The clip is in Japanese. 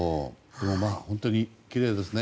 本当にきれいですね。